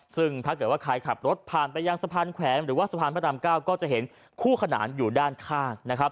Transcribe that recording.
ซึ่งถ้าเกิดว่าใครขับรถผ่านไปยังสะพานแขวนหรือว่าสะพานพระราม๙ก็จะเห็นคู่ขนานอยู่ด้านข้างนะครับ